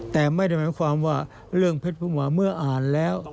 แต่ไม่ได้หมายความว่าเรื่องเพชรผู้หวาเมื่ออ่านแล้ว